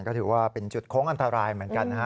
ก็ถือว่าเป็นจุดโค้งอันตรายเหมือนกันนะฮะ